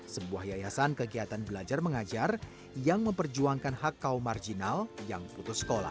sebuah yayasan kegiatan belajar mengajar yang memperjuangkan hak kaum marginal yang putus sekolah